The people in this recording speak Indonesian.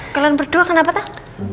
kalian berdua kenapa tak